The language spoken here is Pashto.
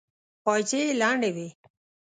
پايڅې يې لندې وې.